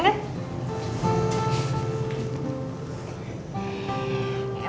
udah baik kan